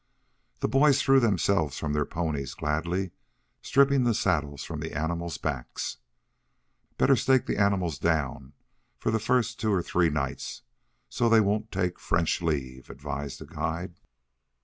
The boys threw themselves from their ponies gladly, stripping the saddles from the animals' backs. "Better stake the animals down, for the first two or three nights, so they won't take French leave," advised the guide.